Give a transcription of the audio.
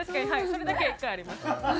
それだけは１回あります。